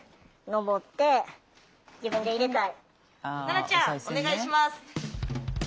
菜奈ちゃんお願いします！